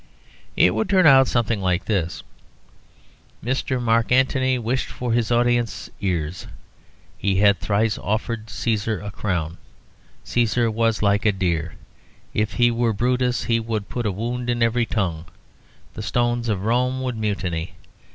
It would turn out something like this: "Mr. Mark Antony wished for his audience's ears. He had thrice offered Cæsar a crown. Cæsar was like a deer. If he were Brutus he would put a wound in every tongue. The stones of Rome would mutiny.